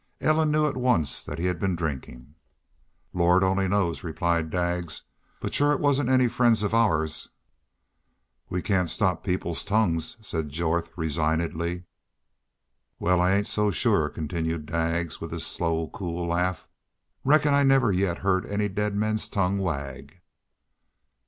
Ellen knew at once that he had been drinking. "Lord only knows," replied Daggs. "But shore it wasn't any friends of ours." "We cain't stop people's tongues," said Jorth, resignedly "Wal, I ain't so shore," continued Daggs, with his slow, cool laugh. "Reckon I never yet heard any daid men's tongues wag."